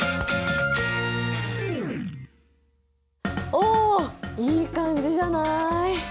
おいい感じじゃない？